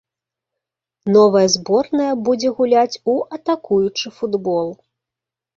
Новая зборная будзе гуляць у атакуючы футбол.